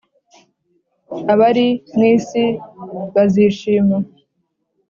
Abari mu isi bazishima .